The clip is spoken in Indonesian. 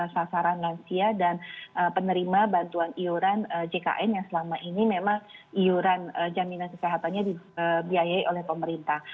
sasaran lansia dan penerima bantuan iuran jkn yang selama ini memang iuran jaminan kesehatannya dibiayai oleh pemerintah